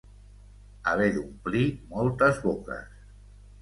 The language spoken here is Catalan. Haver d'omplir moltes boques.